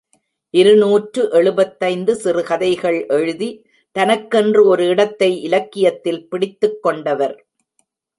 இருநூற்று எழுபத்தைந்து சிறுகதைகள் எழுதி தனக்கென்று ஒரு இடத்தை இலக்கியத்தில் பிடித்துக்கொண்டவர்.